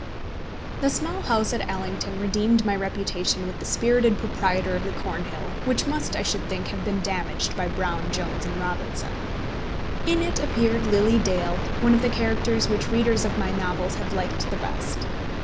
The Small House at Allington redeemed my reputation with the spirited proprietor of the Cornhill, which must, I should think, have been damaged by Brown, Jones, and Robinson. In it appeared Lily Dale, one of the characters which readers of my novels have liked the best.